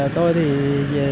tôi thì về